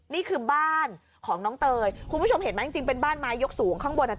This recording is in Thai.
นี่คือบ้านของน้องเตยคุณผู้ชมเห็นไหมจริงจริงเป็นบ้านไม้ยกสูงข้างบนอ่ะ